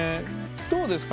どうですか？